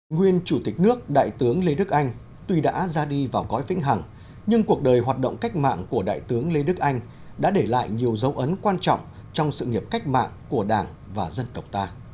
nguyên chủ tịch nước đại tướng lê đức anh tuy đã ra đi vào gói vĩnh hẳng nhưng cuộc đời hoạt động cách mạng của đại tướng lê đức anh đã để lại nhiều dấu ấn quan trọng trong sự nghiệp cách mạng của đảng và dân tộc ta